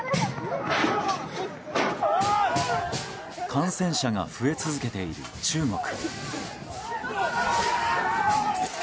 感染者が増え続けている中国。